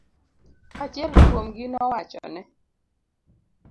Achiel kuomgi nowachone.